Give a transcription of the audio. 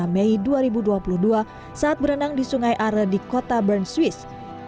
dua puluh mei dua ribu dua puluh dua saat berenang di sungai are di kota bern swiss